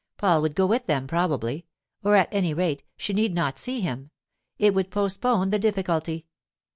Paul would go with them, probably; or, at any rate, she need not see him; it would postpone the difficulty.